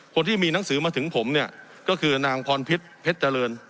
คนที่มีหนังสือมาถึงผมเนี่ยก็คือนางพรพิษเพชรเจริญ